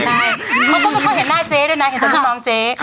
ก็ไม่ค่อยเห็นหน้าเจ๊ด้วยนะเห็นจากทุกน้องเจ๊